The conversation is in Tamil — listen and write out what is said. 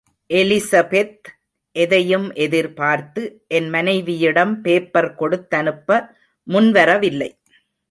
எலிசபெத், எதையும் எதிர்பார்த்து, என் மனைவியிடம் பேப்பர் கொடுத்தனுப்ப முன் வரவில்லை.